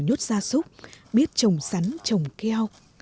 nhốt gia súc biết trồng sắn trồng keo